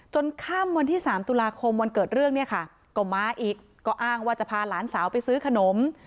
ค่ำวันที่๓ตุลาคมวันเกิดเรื่องเนี่ยค่ะก็มาอีกก็อ้างว่าจะพาหลานสาวไปซื้อขนม